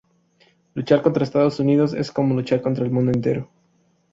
Luchar contra Estados Unidos es como luchar contra el mundo entero.